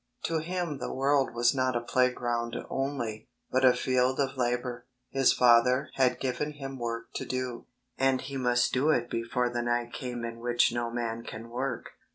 To Him the world was not a playground only, but a field of labour. His Father had given Him work to do, and He must do it before the night came in which no man can work.